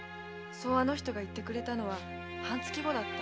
あの人がそう言ってくれたのは半月後だった。